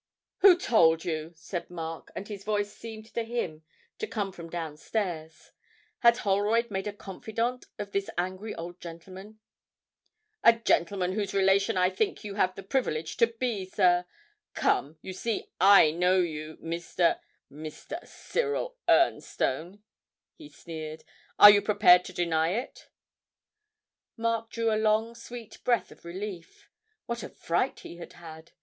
'Who told you?' said Mark, and his voice seemed to him to come from down stairs. Had Holroyd made a confidant of this angry old gentleman? 'A gentleman whose relation I think you have the privilege to be, sir. Come, you see I know you, Mr. Mr. Cyril Ernstone,' he sneered. 'Are you prepared to deny it?' Mark drew a long sweet breath of relief. What a fright he had had!